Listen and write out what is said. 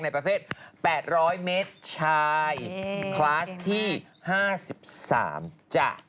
ประเภท๘๐๐เมตรชายคลาสที่๕๓จ้ะ